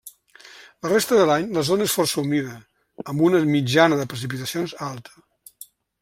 La resta de l’any, la zona és força humida, amb una mitjana de precipitacions alta.